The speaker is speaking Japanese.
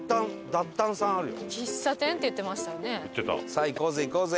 さあ行こうぜ行こうぜ！